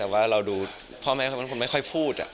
แต่ว่าเราดูพ่อแม่เขาเป็นคนไม่ค่อยพูด